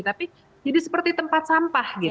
tapi jadi seperti tempat sampah